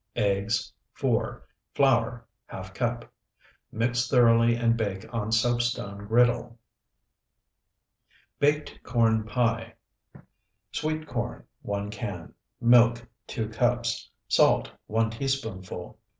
Eggs, 4. Flour, ½ cup. Mix thoroughly and bake on soapstone griddle. BAKED CORN PIE Sweet corn, 1 can. Milk, 2 cups. Salt, 1 teaspoonful.